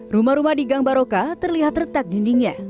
rumah rumah di gang baroka terlihat retak dindingnya